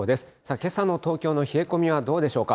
けさの東京の冷え込みはどうでしょうか。